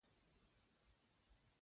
کړکۍ پرانیزه، ږغ وکړه را وغواړه سپرلي